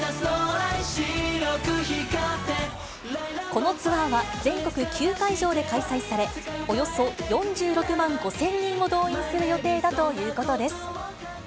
このツアーは全国９会場で開催され、およそ４６万５０００人を動員する予定だということです。